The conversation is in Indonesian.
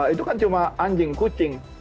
itu kan cuma anjing kucing